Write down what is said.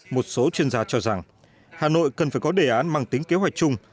một số chuyên gia cho rằng hà nội cần phải có đề án mang tính kế hoạch chung